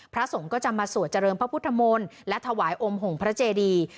พระสมก็จะมาสวจริงพระพุทธมนตร์และถวายอมหงภาพพระเจดี